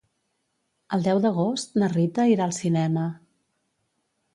El deu d'agost na Rita irà al cinema.